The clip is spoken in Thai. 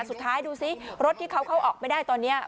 สุดท้ายดูสิรถที่เขาเข้าออกไม่ได้ตอนนี้